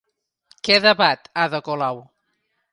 Què debat Ada Colau?